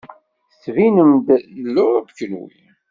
Tettbinem-d n Luṛup kunwi.